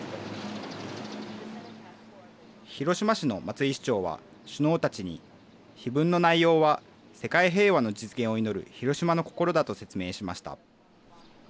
広島市の松井市長は首脳たちに、碑文の内容は世界平和の実現を祈るヒロシマの心だと説明しました。